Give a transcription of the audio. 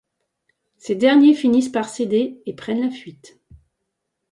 Ces derniers finissent par céder et prennent la fuite.